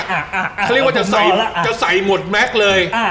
เขาเรียกว่าจะใส่หมดแม็กซ์เลย